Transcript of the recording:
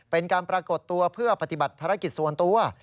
เป็นการปรากฏตัวเพื่อปฏิบัติภารกิจส่วนตัว